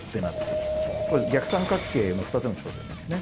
これ逆三角形の２つの頂点なんですね。